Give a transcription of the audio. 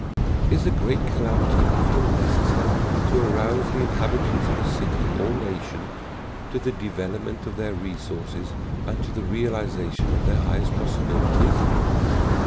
Is a great calamity often necessary to arouse the inhabitants of a city or nation to the development of their resources and to the realisation of their highest possibilities?